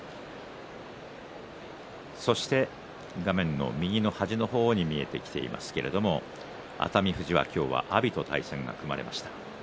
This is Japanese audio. そして画面の右の端の方に見えてきていますけれども熱海富士は今日は阿炎と対戦が組まれました。